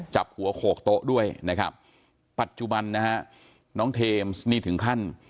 จับหัวโขกโต๊ะด้วยนะครับปัจจุบันนะฮะน้องเทมส์นี่ถึงขั้น